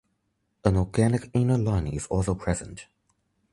An organic inner lining is also present.